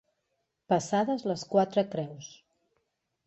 Passades les quatre creus.